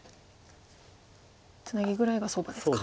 ツナギぐらいが相場ですか。